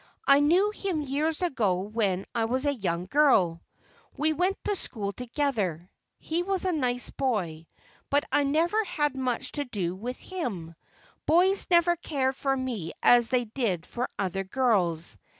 I knew him years ago when I was a young girl; we went to school together. He was a nice boy, but I never had much to do with him; boys never cared for me as they did for other girls.